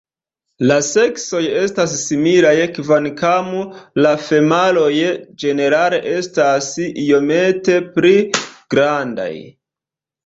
La seksoj estas similaj kvankam la femaloj ĝenerale estas iomete pli grandaj.